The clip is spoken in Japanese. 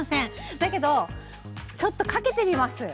だけどちょっとかけてみます。